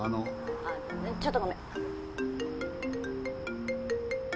あちょっとごめん。